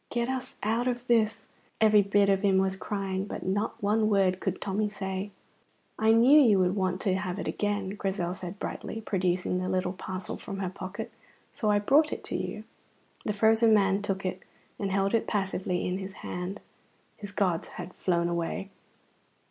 "Get us out of this," every bit of him was crying, but not one word could Tommy say. "I knew you would want to have it again," Grizel said brightly, producing the little parcel from her pocket, "so I brought it to you." The frozen man took it and held it passively in his hand. His gods had flown away.